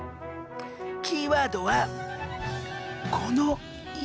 キーワードはこの「石」。